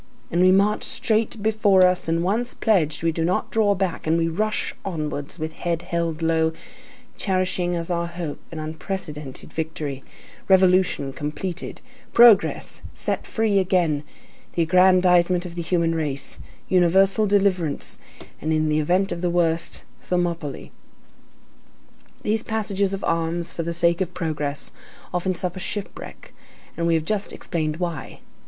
And we march straight before us, and once pledged, we do not draw back, and we rush onwards with head held low, cherishing as our hope an unprecedented victory, revolution completed, progress set free again, the aggrandizement of the human race, universal deliverance; and in the event of the worst, Thermopylæ. These passages of arms for the sake of progress often suffer shipwreck, and we have just explained why.